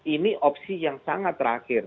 ini opsi yang sangat terakhir